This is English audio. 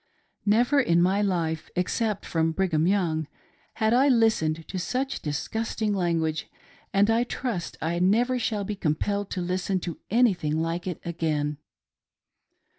Never in my life — except from Brigham Young — had I listened to such disgusting language, and I trust I never shall be compelled to listen to anything like it again.